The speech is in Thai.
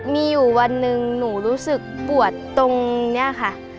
มีอยู่วันหนึ่งหนูรู้สึกปวดตรงนี้ค่ะ